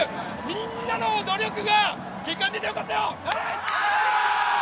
みんなの努力が結果に出てよかったよ！